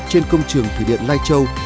trên công trường thủy điện lai châu